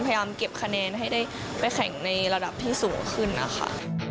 พยายามเก็บคะแนนให้ได้ไปแข่งในระดับที่สูงขึ้นนะคะ